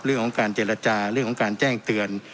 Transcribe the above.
เรื่องของการเจรจาเรื่องของการแจ้งเตือน